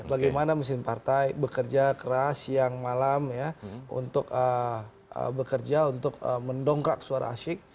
bagaimana mesin partai bekerja keras siang malam ya untuk bekerja untuk mendongkrak suara asyik